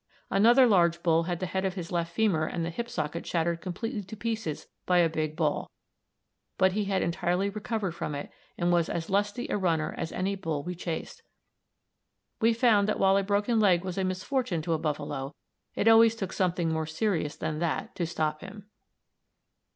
Another large bull had the head of his left femur and the hip socket shattered completely to pieces by a big ball, but he had entirely recovered from it, and was as lusty a runner as any bull we chased. We found that while a broken leg was a misfortune to a buffalo, it always took something more serious than that to stop him.